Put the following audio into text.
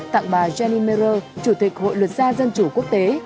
tặng bà jenny mer chủ tịch hội luật gia dân chủ quốc tế